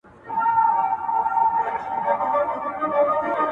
زه خو يې ډېر قدر كړم چي دا پكــــي مــوجـــوده وي ـ